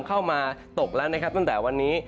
เข้ามาตกแล้วนะครับตั้งแต่วันนี้